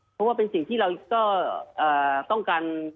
เพราะว่าเป็นสิ่งที่เราก็ต้องการ